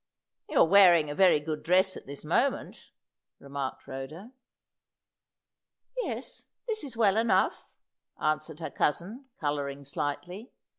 "You are wearing a very good dress at this moment," remarked Rhoda. "Yes, this is well enough," answered her cousin, colouring slightly.